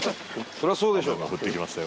そりゃそうでしょう。